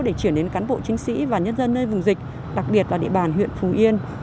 để chuyển đến cán bộ chiến sĩ và nhân dân nơi vùng dịch đặc biệt là địa bàn huyện phù yên